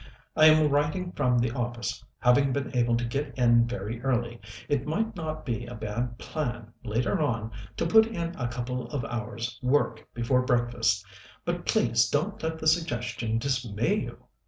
I am writing from the office, having been able to get in very early. It might not be a bad plan, later on, to put in a couple of hours' work before breakfast, but please don't let the suggestion dismay you!